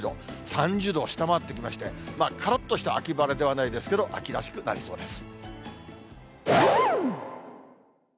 ３０度を下回ってきまして、からっとした秋晴れではないですけど、秋らしくなりそうです。